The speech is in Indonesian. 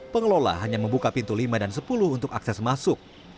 pengelola hanya membuka pintu lima dan sepuluh untuk akses masuk